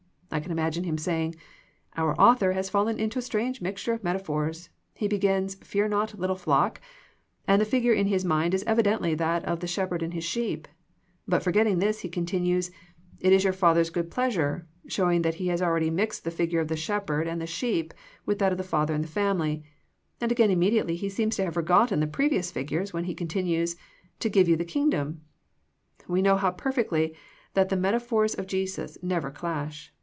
I can im agine him saying, " Our author has fallen into a strange mixture of metaphors. He begins, ' Fear not, little flock,' and the figure in his mind is evidently that of the shepherd and his sheep ; but forgetting this, he continues, ' it is your Father's good pleasure,' showing that he has already mixed the figure of the shepherd and the sheep with that of the father and the family ; and again immediately he seems to have forgotten the previous figures as he continues * to give you the Kingdom.' " We know perfectly that the meta phors of Jesus never clash.